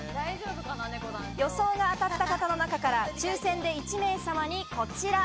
予想が当たった方の中から抽選で１名様にこちら。